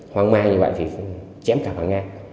hoang mai như vậy thì chém cả bà nga